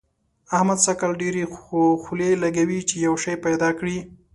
احمد سږ کال ډېرې خولې لګوي چي يو شی پيدا کړي.